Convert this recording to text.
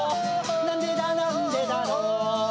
「なんでだなんでだろう」